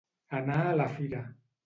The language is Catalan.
Anar a la fira.